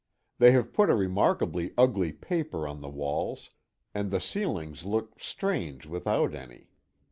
They have put a remarkably ugly paper on the walls, and the ceilings look strange without any.